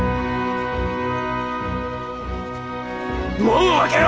門を開けよ！